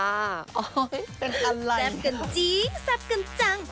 โอ้โหเป็นอะไรแซ่บกันจริงแซ่บกันจัง